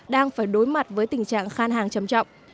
đang phải đối mặt với tình trạng khan hàng chầm trọng